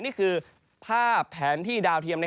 นี่คือภาพแผนที่ดาวเทียม